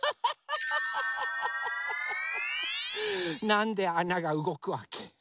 なんであながうごくわけ？